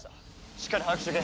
しっかり把握しておけ。